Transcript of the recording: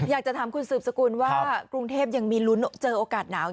อยากจะถามคุณสืบสกุลว่ากรุงเทพยังมีลุ้นเจอโอกาสหนาว